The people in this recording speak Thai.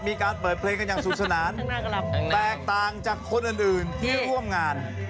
มีการเปิดเพลงกันอย่างสุขสนานแตกต่างจากคนอื่นที่ร่วมงาน